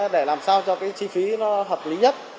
để làm sao cho chi phí hợp lý nhất